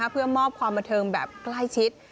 เพื่อมอบความบันเทิงแบบใกล้ชิด